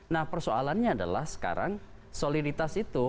nah persoalannya adalah sekarang soliditas itu